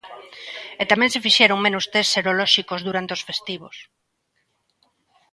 E tamén se fixeron menos tests serolóxicos durante os festivos.